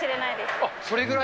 あっ、それぐらい？